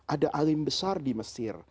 ada alim besar di mesir